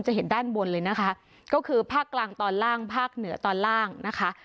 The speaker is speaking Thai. เห็นด้านบนเลยนะคะก็คือภาคกลางตอนล่างภาคเหนือตอนล่างนะคะ